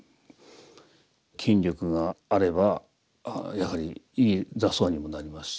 筋力があればやはりいい坐相にもなりますし。